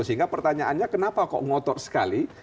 sehingga pertanyaannya kenapa kok ngotot sekali